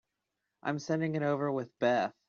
I'm sending it over with Beth.